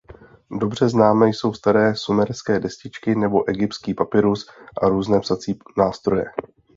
Dobře známé jsou staré sumerské destičky nebo egyptský papyrus a různé psací nástroje.